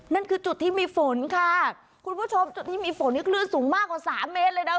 นั่นคือจุดที่มีฝนค่ะคุณผู้ชมจุดที่มีฝนนี่คลื่นสูงมากกว่าสามเมตรเลยนะ